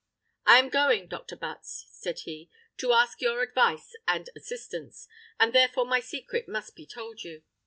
"I am going, Dr. Butts," said he, "to ask your advice and assistance, and therefore my secret must be told you.